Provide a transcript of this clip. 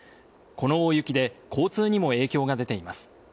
この大雪で交通にも影響が出ています。